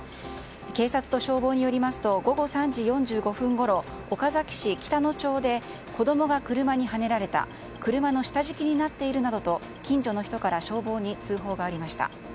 警察と消防によりますと午後３時４５分ごろ岡崎市北野町で子供が車にはねられた車の下敷きになっているなどと近所の人から消防に通報がありました。